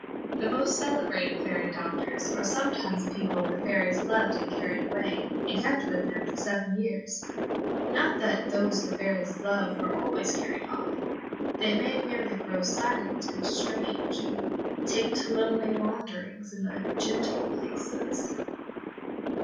The most celebrated fairy doctors are sometimes people the fairies loved and carried away, and kept with them for seven years; not that those the fairies' love are always carried off they may merely grow silent and strange, and take to lonely wanderings in the "gentle" places.